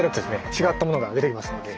違ったものが出てきますので。